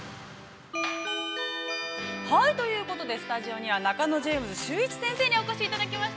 ◆はい、ということで、スタジオには、中野ジェームズ修一先生にお越しいただきました。